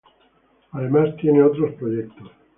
Además, tiene otros proyectos.